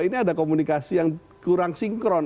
ini ada komunikasi yang kurang sinkron